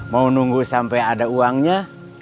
mau nunggu sampai ada uangnya